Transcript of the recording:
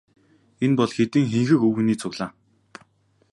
Энэ бол хэдэн хэнхэг өвгөний цуглаан.